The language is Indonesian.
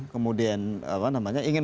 kemudian apa namanya ingin